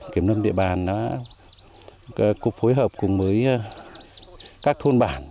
kiểm lâm địa bàn đã phối hợp cùng với các thôn bản